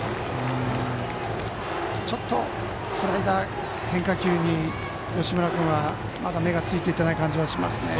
ちょっと変化球に吉村君は、まだ目がついていってない感じですね。